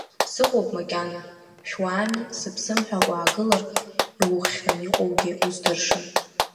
Сыҟоуп макьана, шәуаами, сыԥсым ҳәа уаагылар, иухьран иҟоугьы уздыршам.